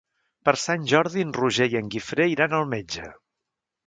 Per Sant Jordi en Roger i en Guifré iran al metge.